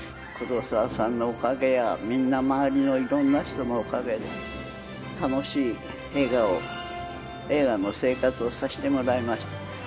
黒澤さんのおかげや、みんな周りのいろんな人のおかげで、楽しい笑顔、映画の生活をさせていただきました。